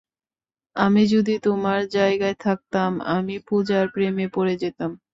আমি যদি তোমার জায়গায় থাকতাম, আমি পুজার প্রেমে পড়ে যেতাম।